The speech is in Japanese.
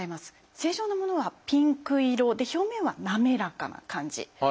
正常なものはピンク色で表面は滑らかな感じ。